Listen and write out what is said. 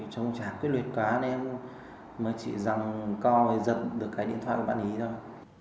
chẳng quyết luyện quá nên em mới chỉ rằng coi giật được cái điện thoại của bạn ấy thôi